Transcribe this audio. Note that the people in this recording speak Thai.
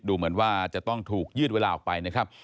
ดูเหมือนว่าจะต้องถูกยืดเวลาออกไปนะครับ